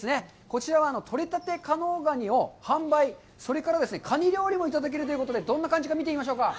こちらは取れたて加能ガニを販売、それから、カニ料理もいただけるということで、どんな感じか見てみましょうか。